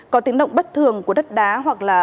có tiếng động bất thường của đất đá hoặc là